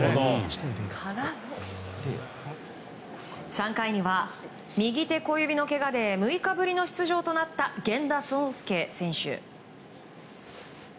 ３回には右手小指のけがで６日ぶりの出場となった源田壮亮選手。